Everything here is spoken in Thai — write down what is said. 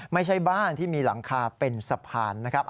ไม่ใช่บ้านที่มีหลังคาเป็นสะพานนะครับ